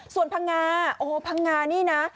ส่วนพังงาพังงานี่นะ